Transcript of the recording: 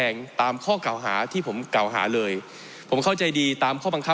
เพราะมันก็มีเท่านี้นะเพราะมันก็มีเท่านี้นะ